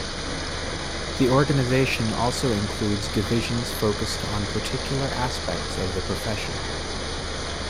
The organization also includes divisions focused on particular aspects of the profession.